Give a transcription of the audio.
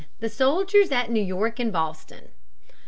The Soldiers at New York and Boston.